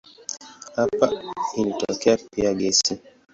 Hapa ilitokea pia gesi.